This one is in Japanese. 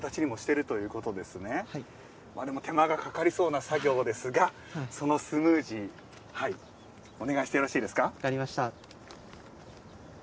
でも、手間がかかりそうな作業ですがそのスムージーお願いしてよろしいですか。